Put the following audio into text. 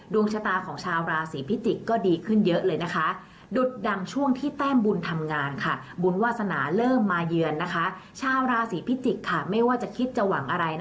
ดวงชะตาของชาวราศีพิจิกก็ดีขึ้นเยอะเลยนะคะ